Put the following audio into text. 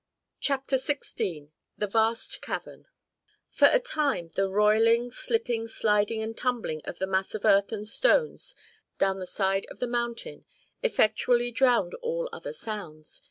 CHAPTER XVI THE VAST CAVERN For a time the roiling, slipping, sliding and tumbling of the mass of earth and stones, down the side of the mountain, effectually drowned all other sounds.